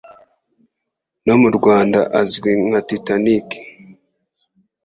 no mu Rwanda azwi nka Titanic